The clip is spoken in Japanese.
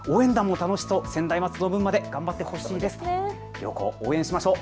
両校、応援しましょう。